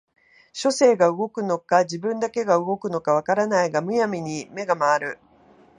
書生が動くのか自分だけが動くのか分からないが無闇に眼が廻る